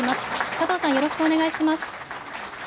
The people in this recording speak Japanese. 佐藤さん、よろしくお願いします。